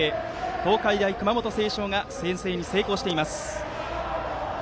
東海大熊本星翔が先制に成功しています。